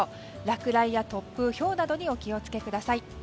落雷や突風、ひょうなどにお気を付けください。